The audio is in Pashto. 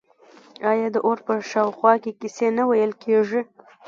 آیا د اور په شاوخوا کې کیسې نه ویل کیږي؟